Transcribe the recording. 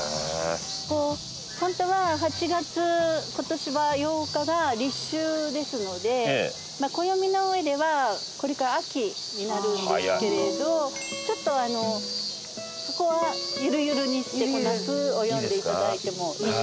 こうホントは８月今年は８日が立秋ですので暦の上ではこれから秋になるんですけれどちょっとそこはゆるゆるにして夏を詠んで頂いてもいいっていう事に。